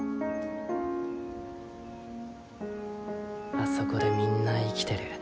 あそこでみんな生きてる。